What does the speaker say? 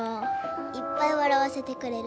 いっぱい笑わせてくれる。